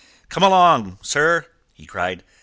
"Come along, sir," he cried.